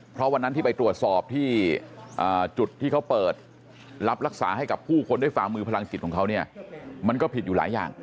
เพราะวันนั้นที่ไปตรวจสอบที่จุดที่เขาเปิดรับรักษาให้กับผู้คนด้วยฝ่ามือพลังจิตของเขาเนี่ยมันก็ผิดอยู่หลายอย่าง